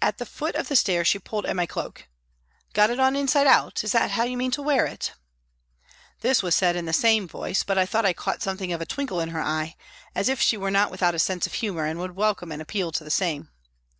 At the foot of the stairs she pulled at my cloak, " Got it on inside out, is that how you mean to wear it ?" This was said in the same voice, but I thought I caught something of a twinkle in her eye as if she were not without a sense of humour and would welcome an appeal to the same.